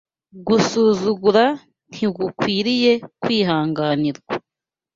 gusuzugura ntigukwiriye kwihanganirwa